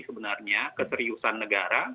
sebenarnya keseriusan negara